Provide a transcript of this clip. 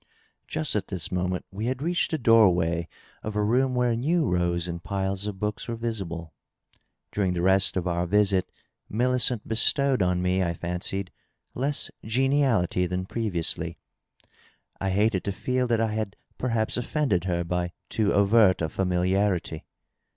Just at this moment we had reached the door way of a room where new rows and piles of books were visible. During the rest of our visit Millicent bestowed on me, I fancied, less geniality tlian previously, I hated to feel that I had perhaps offended her by too overt a &miliarity.